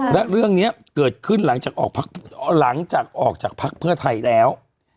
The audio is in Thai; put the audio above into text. และเรื่องนี้เกิดขึ้นหลังจากออกจากภักดิ์เพื่อไทยแล้ว